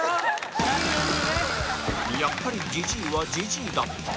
やっぱりじじいはじじいだった